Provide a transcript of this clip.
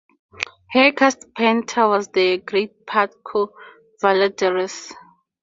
Her cast partner was the great Paco Valladares.